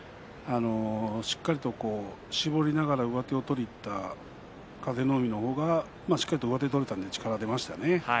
しっかりと絞りながら上手を取りにいった風の湖の方がしっかりと上手が取れたので力が出ましたよね。